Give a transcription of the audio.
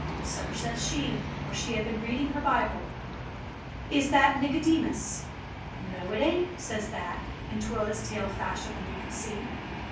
" So says she — for she had been reading her Bible : "Is That Nicodemus?" "No, it ain't," says That, and twirled its tail faster than you could see.